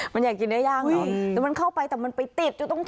มันอยากกินเนื้อย่างแต่มันเข้าไปแต่มันไปติดจุดตรงท่อ